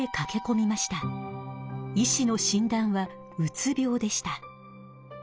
医師のしん断は「うつ病」でした。